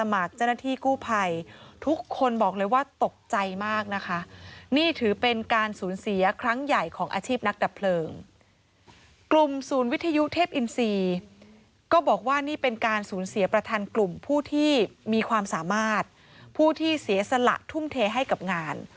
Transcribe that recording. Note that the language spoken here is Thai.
ไม่มีอะไรจะให้อันนี้ในฝันนะคะตอนนั้นแม่ก็บอกว่าไม่มีอะไรจะให้อันนี้ในฝันนะคะ